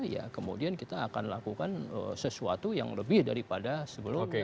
ya kemudian kita akan lakukan sesuatu yang lebih daripada sebelumnya